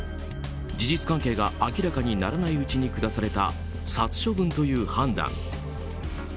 事実関係が明らかにならないうちに下された殺処分という判断。